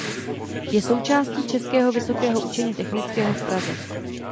Je součástí Českého vysokého učení technického v Praze.